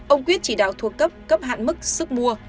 ông quyết chỉ đạo thuộc cấp cấp hạn mức sức mua